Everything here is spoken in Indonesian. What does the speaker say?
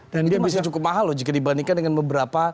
dan itu masih cukup mahal loh jika dibandingkan dengan beberapa